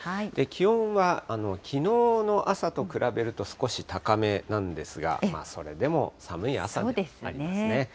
気温はきのうの朝と比べると、少し高めなんですが、それでも寒い朝でありますね。